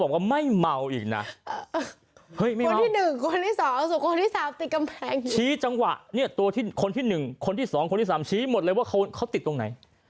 คนที่๑คนที่๒คนที่๓ชี้หมดเลยว่าเขาติดตรงไหน